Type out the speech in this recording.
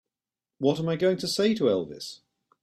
What am I going to say to Elvis?